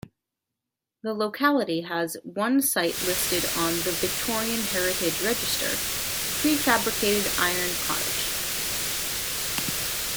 The locality has one site listed on the Victorian Heritage Register, Prefabricated Iron Cottage.